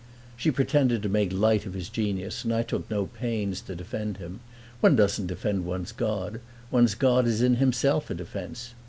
She pretended to make light of his genius, and I took no pains to defend him. One doesn't defend one's god: one's god is in himself a defense.